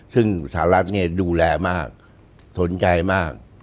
ซึ่งสหรัฐเนี่ยดูแลมากสนใจมาก